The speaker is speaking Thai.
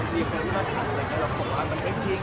อย่างเงียบในวิทยาศาสตร์ปกป้องมันไม่จริง